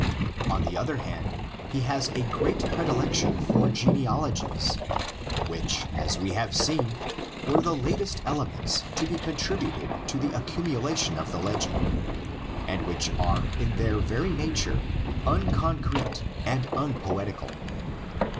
On the other hand, he has a great predilection for genealogies, which, as we have seen, were the latest elements to be contributed to the accumulation of the legend, and which are in their very nature unconcrete and unpoetical.